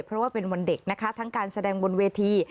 เพราะว่าเป็นวันเด็กนะคะทั้งการแสดงบนเวที